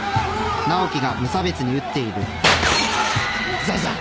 井沢さん。